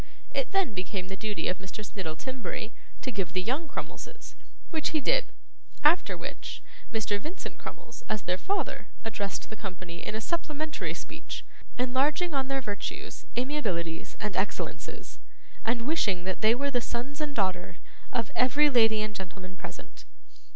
It then became the duty of Mr. Snittle Timberry to give the young Crummleses, which he did; after which Mr. Vincent Crummles, as their father, addressed the company in a supplementary speech, enlarging on their virtues, amiabilities, and excellences, and wishing that they were the sons and daughter of every lady and gentleman present.